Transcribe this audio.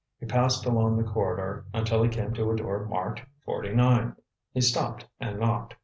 He passed along the corridor until he came to a door marked "49." He stopped and knocked.